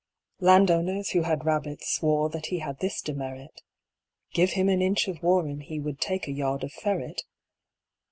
Land owners, who had rabbits, swore That he had this demerit Give him an inch of warren, he Would take a yard of ferret.